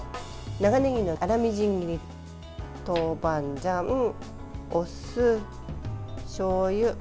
長ねぎの粗みじん切り豆板醤、お酢、しょうゆ。